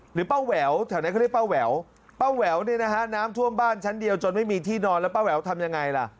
ป้าแหววแถวนั้นเขาเรียกป้าแหววป้าแหววเนี่ยนะฮะน้ำท่วมบ้านชั้นเดียวจนไม่มีที่นอนแล้วป้าแหววทำยังไงล่ะ